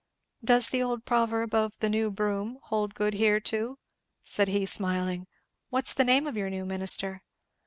"Does the old proverb of the 'new broom' hold good here too?" said he, smiling. "What's the name of your new minister?"